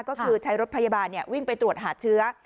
ก็คือใช้รถพยาบาลวิ่งไปตรวจหาเชื้อ